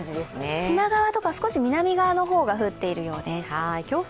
品川とか南側の方が降っているようです